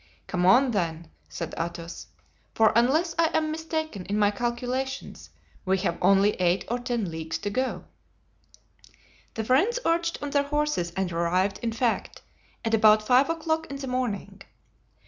"Come on, then," said Athos, "for unless I am mistaken in my calculations we have only eight or ten leagues to go." The friends urged on their horses and arrived, in fact, at about five o'clock in the morning.